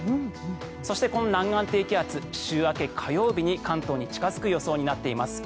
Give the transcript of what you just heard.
そして、この南岸低気圧週明け火曜日に関東に近付く予想になっています。